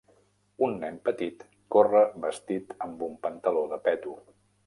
Un nen petit corre vestit amb un pantaló de peto.